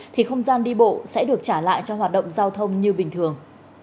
thì không gian đi bộ sẽ được trả lại cho hoạt động giao thông như bình thường